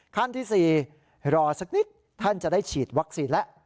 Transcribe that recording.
ขั้นที่๔รอสักนิดท่านจะได้ฉีดวัคซีนแล้ว